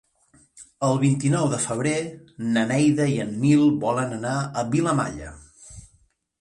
El vint-i-nou de febrer na Neida i en Nil volen anar a Vilamalla.